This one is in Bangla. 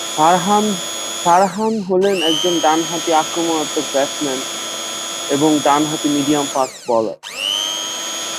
ফারহান হলেন একজন ডানহাতি আক্রমণাত্মক ব্যাটসম্যান এবং ডানহাতি মিডিয়াম ফাস্ট বোলার।